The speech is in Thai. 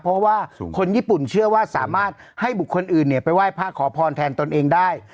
เพราะว่าคนญี่ปุ่นเชื่อว่าสามารถให้บุคคลอื่นไปไหว้พระขอพรแทนตนเองได้